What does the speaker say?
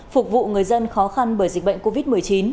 phục vụ người dân khó khăn bởi dịch bệnh covid một mươi chín